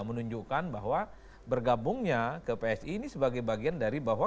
menunjukkan bahwa bergabungnya ke psi ini sebagai bagian dari bahwa